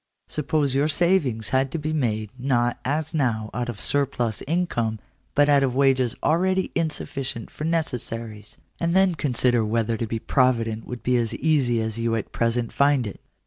Suppose your savings had to be made, not, as now, out of surplus income, but out of wages already insufficient for necessaries ; and then consider whether to be provident would be as easy as you at present find it.